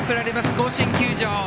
甲子園球場。